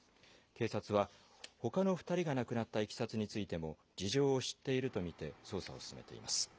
警察はほかの２人が亡くなったいきさつについても、事情を知っていると見て、捜査を進めています。